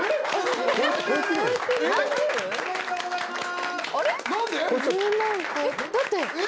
おめでとうございます。